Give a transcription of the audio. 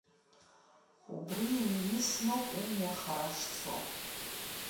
Убри иҩнысноуп умҩа хара шцо.